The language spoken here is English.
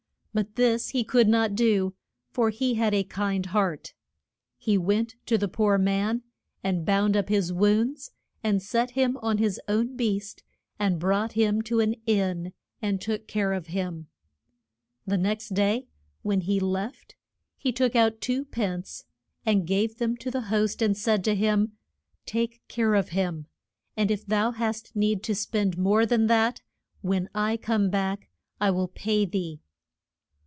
But this he could not do, for he had a kind heart. He went to the poor man and bound up his wounds, and set him on his own beast, and brought him to an inn, and took care of him. And the next day when he left he took out two pence and gave them to the host, and said to him, Take care of him; and if thou hast need to spend more than that, when I come back I will pay thee.